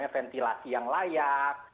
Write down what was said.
ventilasi yang layak